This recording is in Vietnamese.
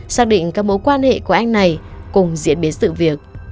xác định các mối quan hệ của anh này cùng diễn biến sự việc